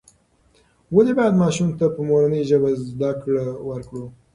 ولې باید ماشوم ته په مورنۍ ژبه زده کړه ورکړو؟